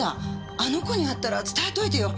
あの子に会ったら伝えといてよ。